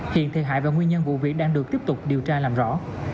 hiện thiệt hại và nguyên nhân vụ việc đang được tiếp tục điều tra làm rõ